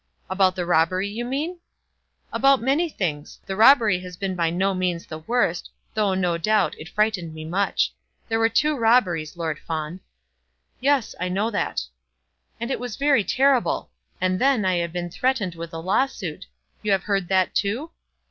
"About the robbery, you mean?" "About many things. The robbery has been by no means the worst, though, no doubt, it frightened me much. There were two robberies, Lord Fawn." "Yes, I know that." "And it was very terrible. And then, I had been threatened with a lawsuit. You have heard that, too?"